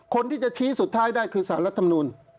คนที่จะชี้สุดท้ายได้คือสารรัฐมนูล